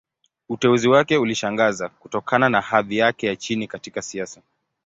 Uteuzi wake ulishangaza, kutokana na hadhi yake ya chini katika siasa.